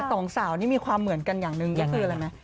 แต่ตรงสาวนี่มีความเหมือนกันอย่างหนึ่งนี่คืออะไรมั้ย